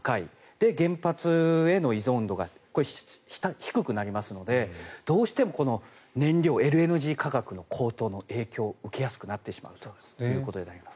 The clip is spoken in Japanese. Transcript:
で、原発への依存度が低くなりますのでどうしても燃料、ＬＮＧ価格の高騰の影響を受けやすくなってしまうということになります。